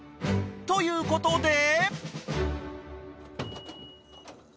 ということで］